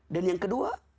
dan yang kedua